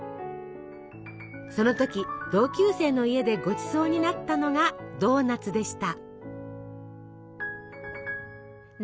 その時同級生の家でごちそうになったのがドーナツでした。